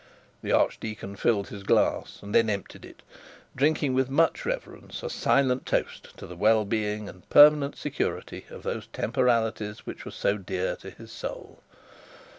The archdeacon filled his glass and then emptied it, drinking with much reverence a silent toast to the well being and permanent security of those temporalities which were so dear to his soul.